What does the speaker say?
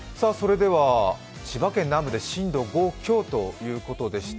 千葉県南部で震度５強ということでした。